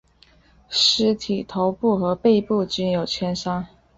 尸体头部和背部均有枪伤。